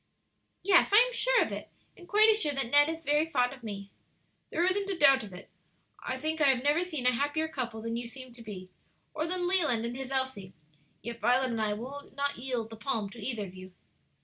"Yes, I am sure of it, and quite as sure that Ned is very fond of me." "There isn't a doubt of it. I think I have never seen a happier couple than you seem to be, or than Leland and his Elsie; yet Violet and I will not yield the palm to either of you."